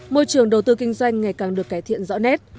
môi trường đầu tư kinh doanh ngày càng được cải thiện rõ nét